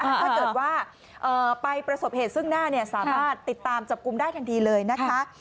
ถ้าเกิดว่าไปประสบเหตุซึ่งหน้าสามารถติดตามจับกลุ่มได้ทันทีเลยนะคะ